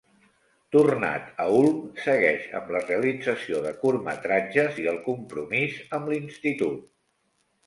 Tornat a Ulm segueix amb la realització de curtmetratges i el compromís amb l'Institut.